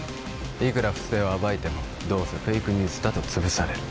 いくら不正を暴いてもどうせフェイクニュースだと潰される